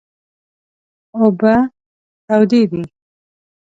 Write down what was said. اوبه تودې دي